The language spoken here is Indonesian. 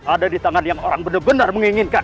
ada di tangan yang orang benar benar menginginkan